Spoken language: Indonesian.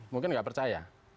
mungkin tidak percaya